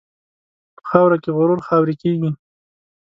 په خاوره کې غرور خاورې کېږي.